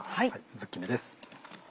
ズッキーニです。